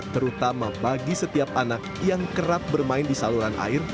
terutama bagi setiap anak yang kerap bermain di saluran air